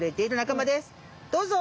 どうぞ！